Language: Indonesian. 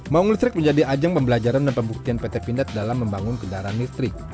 maung listrik menjadi ajang pembelajaran dan pembuktian pt pindad dalam membangun kendaraan listrik